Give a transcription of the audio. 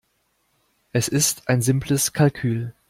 Es ist ein simples Kalkül.